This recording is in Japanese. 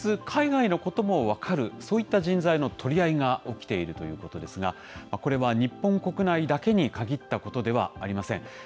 海外のことも分かる、そういった人材の取り合いが起きているということですが、これは、日本国内だけに限ったことではありません。